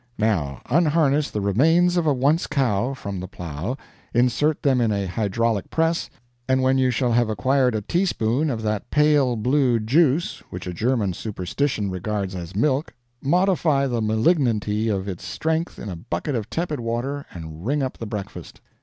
Now unharness the remains of a once cow from the plow, insert them in a hydraulic press, and when you shall have acquired a teaspoon of that pale blue juice which a German superstition regards as milk, modify the malignity of its strength in a bucket of tepid water and ring up the breakfast.